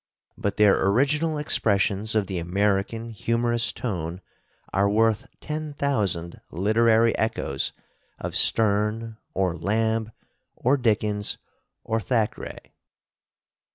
But their original expressions of the American humorous tone are worth ten thousand literary echoes of Sterne or Lamb or Dickens or Thackeray.